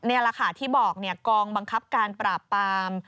นี่แหละค่ะที่บอกกองบังคับการปราบปาม